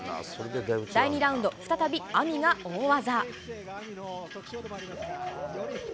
第２ラウンド、再びＡＭＩが大技。